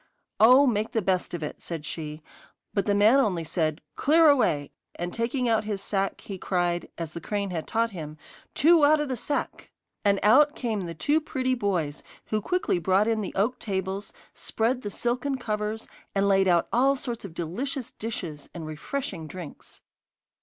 'Oh, make the best of it,' said she, but the man only said: 'Clear away!' and taking out his sack he cried, as the crane had taught him: 'Two out of the sack!' And out came the two pretty boys, who quickly brought in the oak tables, spread the silken covers, and laid out all sorts of delicious dishes and refreshing drinks.